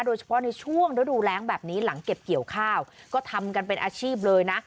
โดยเฉพาะในช่วงฤดูแรงแบบนี้หลังเก็บเกี่ยวข้าวก็ทำกันเป็นอาชีพเลยนะ